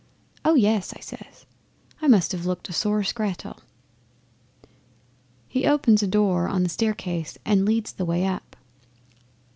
"Oh yes!" I says. I must have looked a sore scrattel. He opens a door on to a staircase and leads the way up.